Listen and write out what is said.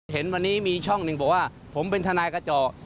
เห็นวันนี้มีช่องหนึ่งบอกว่าผมเป็นทนายกระเจาะ